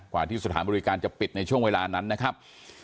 ที่สถานบริการจะปิดในช่วงเวลานั้นนะครับ